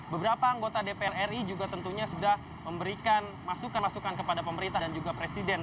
beberapa anggota dpr ri juga tentunya sudah memberikan masukan masukan kepada pemerintah dan juga presiden